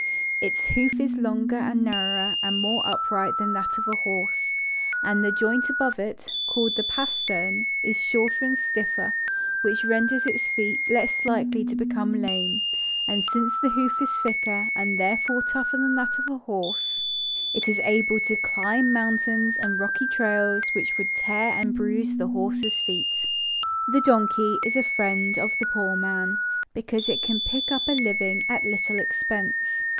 Its hoof is longer and nar rower, and more upright than that of the horse; and the Joint above it, called the pastern, is shorter and stiffer, which renders its feet less likely to become lame; and since the hoof is thicker and therefore tougher than that of the horse, it is able to climb mountains änd rocky trails which would tear and bruise the horse's feet. The donkey is a friend of the poor man, because it can pick up a living at little expense.